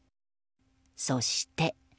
そして。